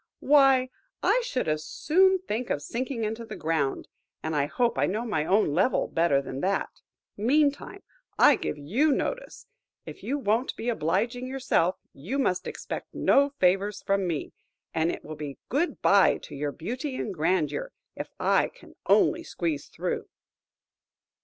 Why, I should as soon think of sinking into the ground, and I hope I know my own level better than that! Meantime, I give you notice. If you won't be obliging yourself, you must expect no favour from me, and it will be good bye to your beauty and grandeur if I can only squeeze through!"